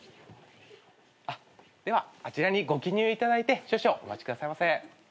ではあちらにご記入いただいて少々お待ちくださいませ。